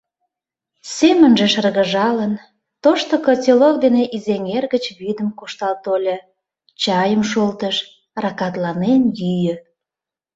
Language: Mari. Семынже шыргыжалын, тошто котелок дене Изеҥер гыч вӱдым коштал тольо, чайым шолтыш, ракатланен йӱӧ.